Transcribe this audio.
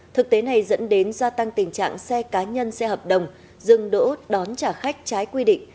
thực tế này dẫn đến gia tăng tình trạng xe cá nhân xe hợp đồng dừng đỗ đón trả khách trái quy định